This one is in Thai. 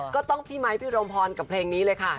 ก็ต้องพี่ไมค์พี่รมพรกับเพลงนี้เลยค่ะ